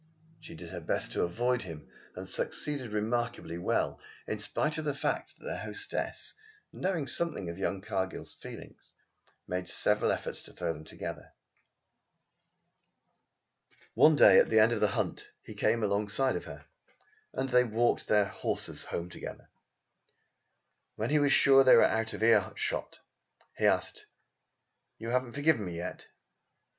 She did her best to avoid him, and succeeded remarkably well, in spite of the fact that their hostess, knowing something of young Cargill's feelings, made several efforts to throw them together. One day at the end of the hunt he came alongside of her and they walked their horses home together. When he was sure that they were out of earshot he asked: "You haven't forgiven me yet?"